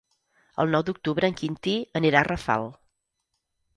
El nou d'octubre en Quintí anirà a Rafal.